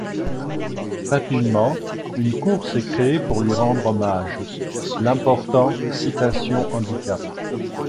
Rapidement, une course est créée pour lui rendre hommage, l'important Citation Handicap.